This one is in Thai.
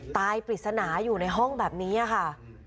ปริศนาอยู่ในห้องแบบนี้ค่ะ